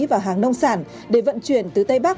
và hàng nông sản để vận chuyển từ tây bắc